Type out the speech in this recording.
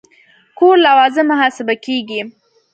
کور لوازم محاسبه کېږي.